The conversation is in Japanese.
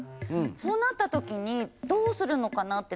そうなった時にどうするのかなって。